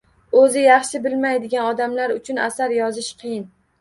O’zi yaxshi bilmaydigan odamlar uchun asar yozish qiyin.